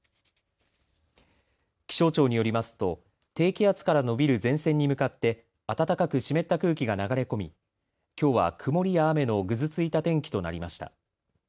気象庁によりますと低気圧から延びる前線に向かって暖かく湿った空気が流れ込みきょうは曇りや雨のぐずついた天気となりました。